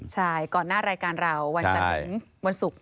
ใช่ก่อนหน้ารายการเราวันจันทร์ถึงวันศุกร์